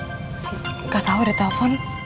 gak tahu ada telepon